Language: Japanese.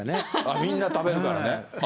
みんな食べるからね。